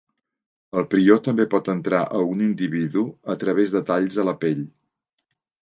El prió també pot entrar a un individu a través de talls a la pell.